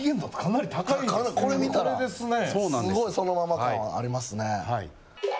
これ見たらすごいそのまま感はありますね。